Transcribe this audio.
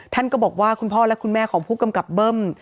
ท่านก็บอกว่าคุณพ่อและคุณแม่ของผู้กำกับเบิ้ม